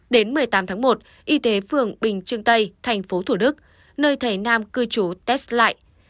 đến một mươi tám tháng một y tế phường bình trương tây tp thủ đức nơi thầy nam cư chủ test lại